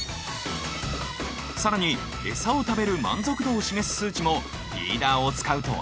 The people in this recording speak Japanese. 更にエサを食べる満足度を示す数値もフィーダーを使うとアップ！